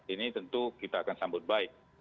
ini tentu kita akan sambut baik